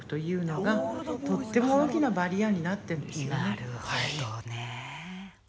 なるほどね。